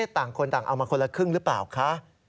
ต่างคนต่างเอามาคนละครึ่งหรือเปล่าคะ